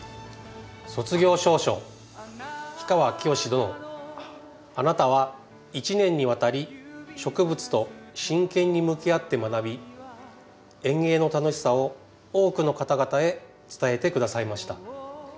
「卒業証書氷川きよし殿あなたは１年にわたり植物と真剣に向き合って学び園芸の楽しさを多くの方々へ伝えてくださいました